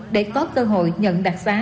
để có cơ hội nhận đặc xá